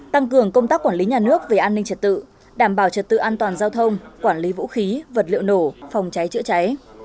tăng cường công tác quản lý nhà nước về an ninh trật tự đảm bảo trật tự an toàn giao thông quản lý vũ khí vật liệu nổ phòng cháy chữa cháy